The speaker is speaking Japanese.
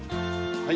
はい。